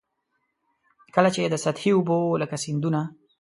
کله چي د سطحي اوبو لکه سیندونه.